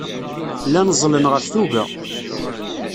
Llan ẓẓlen ɣef tuga.